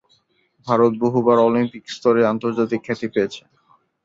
ভারত বহুবার অলিম্পিক স্তরে আন্তর্জাতিক খ্যাতি পেয়েছে।